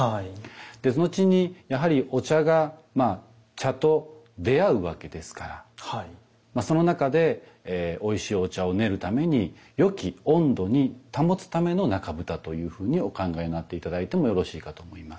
茶と出会うわけですからその中でおいしいお茶を練るために良き温度に保つための中蓋というふうにお考えになって頂いてもよろしいかと思います。